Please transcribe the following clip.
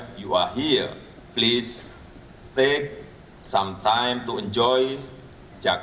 sedangkan anda di sini silakan ambil waktu untuk menikmati